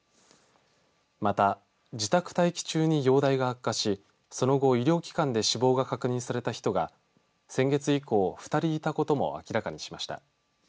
また、自宅待機中に容体が悪化しその後医療機関で死亡が確認された人が先月以降、２人いたことも明らかにしました。